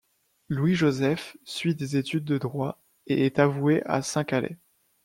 Louis-Joseph suit des études de droit et est avoué à Saint-Calais.